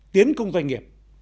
tiến công doanh nghiệp